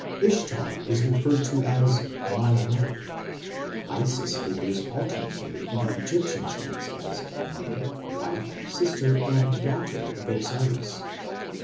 Ishtar is referred to as "my mother". Isis figures alternately in the Egyptian chants as mother, wife, sister, and daughter of Osiris.